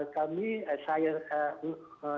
kami di tahun seribu sembilan ratus tujuh puluh dua